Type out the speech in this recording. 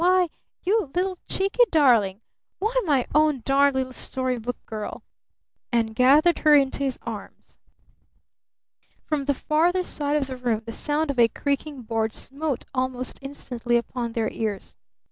Why, you little cheeky darling! Why, my own darned little Story Book Girl!" And gathered her into his arms. From the farther side of the room the sound of a creaking board smote almost instantly upon their ears.